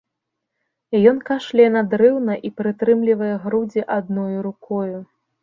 Ён кашляе надрыўна і прытрымлівае грудзі адною рукою.